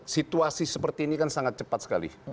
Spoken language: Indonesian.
situasi seperti ini kan sangat cepat sekali